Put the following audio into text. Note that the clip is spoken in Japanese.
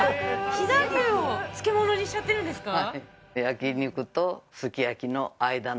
飛騨牛を漬物にしちゃってるんですか？